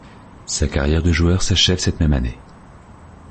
Sa carrière de joueur s'achève cette même année.